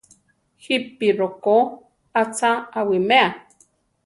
¿Jípi rokó a cha awimea?